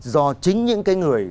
do chính những cái người